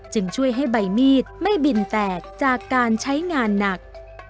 จึงช่วยให้ใบมีดไม่บินแตกจากการใช้งานหนัก